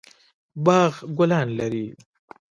باغ ګلان لري